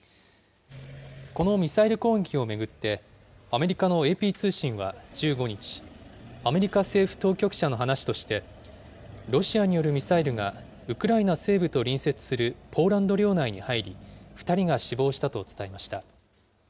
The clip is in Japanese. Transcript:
このミサイル攻撃を巡って、アメリカのＡＰ通信は１５日、アメリカ政府当局者の話として、ロシアによるミサイルがウクライナ西部と隣接するポーランド領内に入り、２人が死亡したと伝えました。